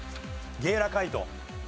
ゲイラカイト。